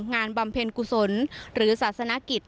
บำเพ็ญกุศลหรือศาสนกิจ